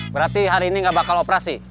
berarti hari ini nggak bakal operasi